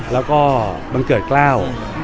แล้วก็บังเกิดเกล้า